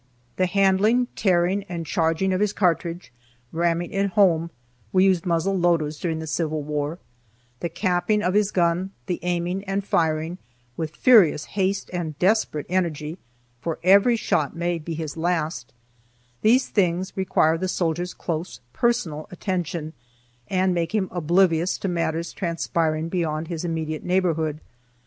The handling, tearing, and charging of his cartridge, ramming it home (we used muzzle loaders during the Civil War), the capping of his gun, the aiming and firing, with furious haste and desperate energy, for every shot may be his last, these things require the soldier's close personal attention and make him oblivious to matters transpiring beyond his immediate neighborhood.